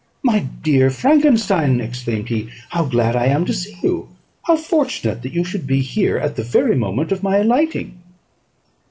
"My dear Frankenstein," exclaimed he, "how glad I am to see you! how fortunate that you should be here at the very moment of my alighting!"